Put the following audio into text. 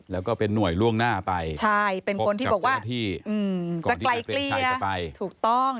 แล้วก็เป็นหน่วยล่วงหน้าไปใช่เป็นคนที่บอกว่าจะไกลเกลี่ยถูกต้อง